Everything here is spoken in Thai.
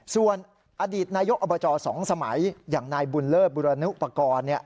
ส่วนอดีตนายกอบจ๒สมัยอย่างนายบุญเลิศบุรณุปกรณ์